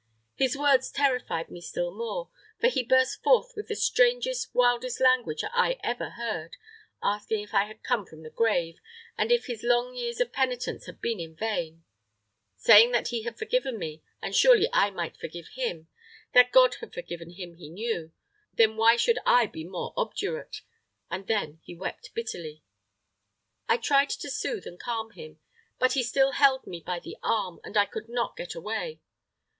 His words terrified me still more; for he burst forth with the strangest, wildest language I ever heard, asking if I had come from the grave, and if his long years of penitence had been in vain; saying that he had forgiven me, and surely I might forgive him; that God had forgiven him, he knew; then why should I be more obdurate; and then he wept bitterly. I tried to soothe and calm him; but he still held me by the arm, and I could not get away.